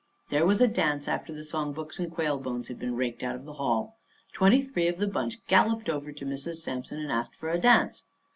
There was a dance after the song books and quail bones had been raked out of the Hall. Twenty three of the bunch galloped over to Mrs. Sampson and asked for a dance.